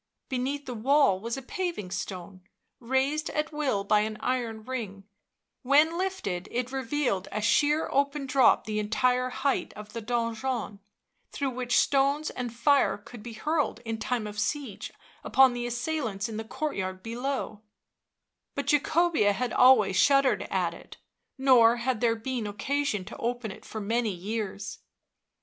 Beneath the wall was a paving stone, raised at will by an iron ring; when lifted it revealed a sheer open drop the entire height of the donjon, through which stones and fire could be hurled in time of siege upon the assailants in the courtyard below; but Jacobea had always shuddered at it, nor had there been occasion to open it for many years.